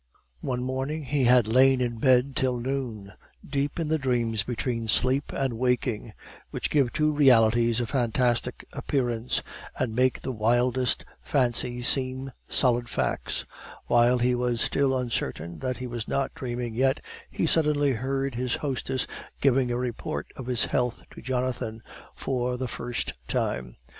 One morning he had lain in bed till noon, deep in the dreams between sleep and waking, which give to realities a fantastic appearance, and make the wildest fancies seem solid facts; while he was still uncertain that he was not dreaming yet, he suddenly heard his hostess giving a report of his health to Jonathan, for the first time.